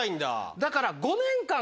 だから。